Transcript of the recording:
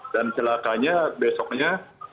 dan celakanya besoknya